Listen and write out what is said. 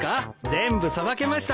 全部さばけましたよ。